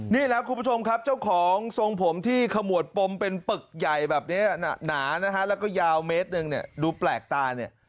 นี่แหละคุณผู้ชมครับเจ้าของทรงผมที่ขมวดปมเป็นปึกใหญ่แบบนี้หนาแล้วก็ยาวเม็ดนึงดูแปลกตา